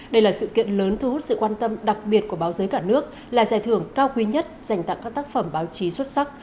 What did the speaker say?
đây là sự kiện lớn thu hút sự quan tâm đặc biệt của báo giới cả nước là giải thưởng cao quý nhất dành tặng các tác phẩm báo chí xuất sắc